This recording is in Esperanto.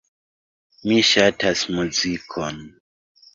Mi ŝatas muzikon.